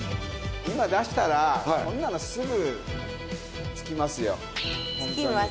今出したら、こんなのすぐつきますよ。